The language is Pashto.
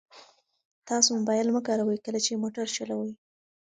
تاسو موبایل مه کاروئ کله چې موټر چلوئ.